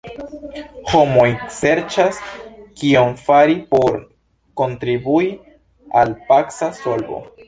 Homoj serĉas, kion fari por kontribui al paca solvo.